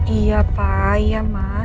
iya pak iya mah